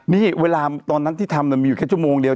นี่เวลาตอนนั้นที่ทำมีอยู่แค่ชั่วโมงเดียว